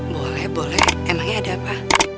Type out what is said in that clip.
boleh boleh enaknya ada apa